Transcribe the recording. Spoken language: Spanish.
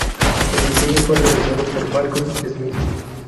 El diseño fue realizado por Malcolm Smith.